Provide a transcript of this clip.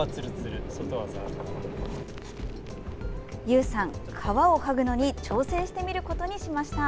ゆうさん、皮をはぐのに挑戦してみることにしました。